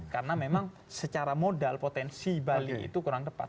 karena memang secara modal potensi bali itu kurang tepat